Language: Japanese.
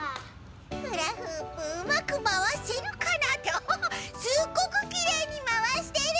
フラフープうまくまわせるかな？っておすっごくきれいにまわしてる！